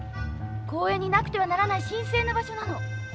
公園になくてはならない神聖な場所なの。